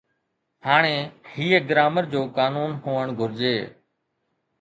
ھاڻي ھيءَ گرامر جو قانون ھئڻ گھرجي